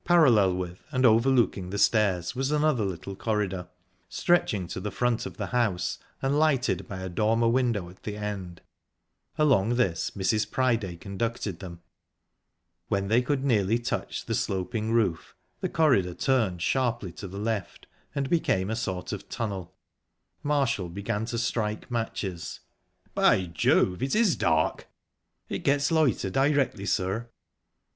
Parallel with and overlooking the stairs was another little corridor, stretching to the front of the house and lighted by a dormer window at the end. Along this Mrs. Priday conducted them. When they could nearly touch the sloping roof, the corridor turned sharply to the left and became a sort of tunnel. Marshall begin to strike matches. "By Jove, it is dark!" "It gets lighter directly, sir."